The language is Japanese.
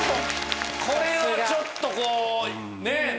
これはちょっとこう。